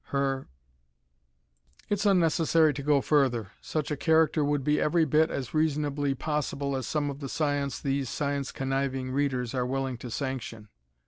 Her " It's unnecessary to go further. Such a character would be every bit as reasonably possible as some of the science these science conniving Readers are willing to sanction.